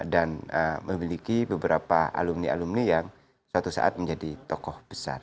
dan memiliki beberapa alumni alumni yang suatu saat menjadi tokoh besar